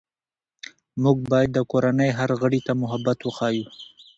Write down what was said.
موږ باید د کورنۍ هر غړي ته محبت وښیو